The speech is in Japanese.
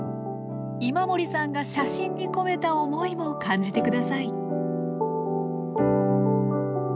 今森さんが写真に込めた思いも感じてください。